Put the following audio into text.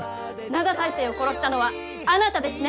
灘大聖を殺したのはあなたですね？